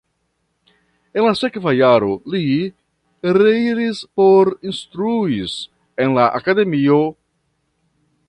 En la sekva jaro li reiris por instruis en la akademio.